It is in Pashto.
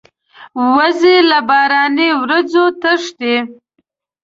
وزې له باراني ورځو تښتي